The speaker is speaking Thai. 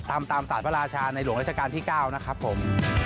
ทำตามศาสตร์พระราชาในหลวงราชการที่๙นะครับผม